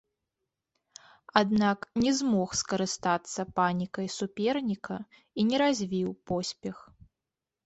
Аднак не змог скарыстацца панікай суперніка і не развіў поспех.